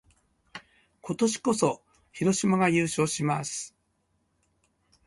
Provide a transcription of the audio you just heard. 今年こそ、広島が優勝します！